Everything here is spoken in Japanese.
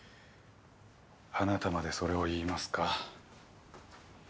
あなたまでそれを言いますか。